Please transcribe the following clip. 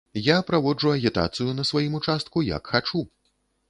Я праводжу агітацыю на сваім участку як хачу.